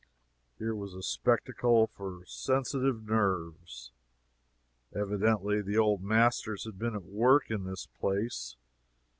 Here was a spectacle for sensitive nerves! Evidently the old masters had been at work in this place.